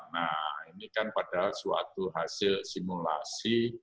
nah ini kan padahal suatu hasil simulasi